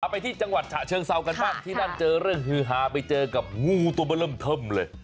ไปที่จังหวัดฉะเชิงเซากันบ้างที่นั่นเจอเรื่องฮือฮาไปเจอกับงูตัวเบอร์เริ่มเทิมเลย